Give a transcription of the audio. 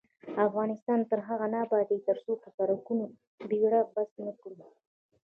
افغانستان تر هغو نه ابادیږي، ترڅو په سرکونو کې بیړه بس نکړو.